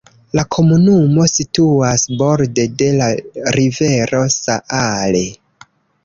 La komunumo situas borde de la rivero Saale.